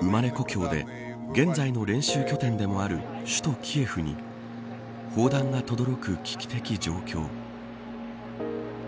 生まれ故郷で現在の練習拠点でもある首都キエフに砲弾がとどろく危機的状況。